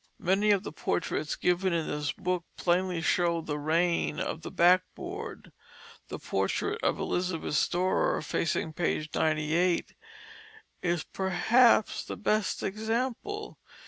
Many of the portraits given in this book plainly show the reign of the backboard. The portrait of Elizabeth Storer, facing page 98, is perhaps the best example.